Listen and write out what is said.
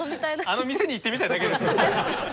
あの店に行ってみたいだけですよね。